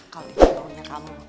kalau itu maunya kamu